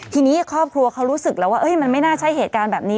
ทีนี้ครอบครัวเขารู้สึกแล้วว่ามันไม่น่าใช่เหตุการณ์แบบนี้